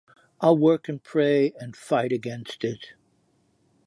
I'll work and pray and fight against it.